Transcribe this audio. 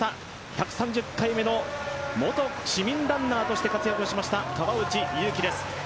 １３０回目の元市民ランナーとして活躍しました川内優輝です。